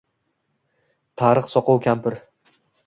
Tarix soqov kampir